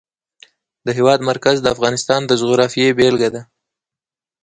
د هېواد مرکز د افغانستان د جغرافیې بېلګه ده.